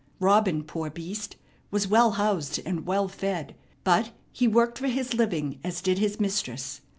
Robin, poor beast, was well housed and well fed; but he worked for his living as did his mistress.